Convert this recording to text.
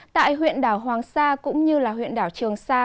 tại huyện đảo hoàng sa cũng như huyện đảo trường sa